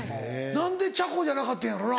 何でチャコじゃなかったんやろな？